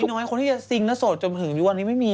แต่คุณน้อยคนที่จะซิงแล้วโสดจนหือด้วยวันนี้ไม่มี